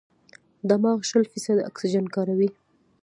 دماغ شل فیصده اکسیجن کاروي.